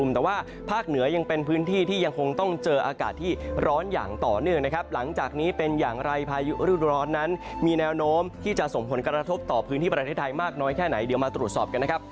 แต่ว่าภาคเหนือยังเป็นพื้นที่ที่ยังคงต้องเจออากาศที่ร้อนอย่างต่อเนื่องนะครับหลังจากนี้เป็นอย่างไรพายุฤดูร้อนนั้นมีแนวโน้มที่จะส่งผลกระทบต่อพื้นที่ประเทศไทยมากน้อยแค่ไหนเดี๋ยวมาตรวจสอบกันนะครับ